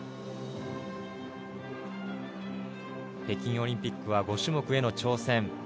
北京オリンピックは５種目への挑戦。